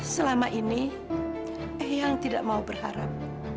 selama ini eyang tidak mau berharap